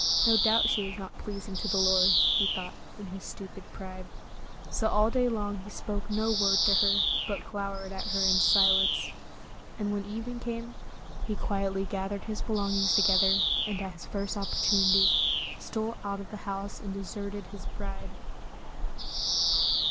No doubt she was not pleasing to the Lord, he thought in his stupid pride. So all day long he spoke no word to her, but glowered at her in silence. And when evening came, he Tales of Modern Germany 131 quietly gathered his belongings together, and at his first opportunity, stole out of the house and deserted his bride.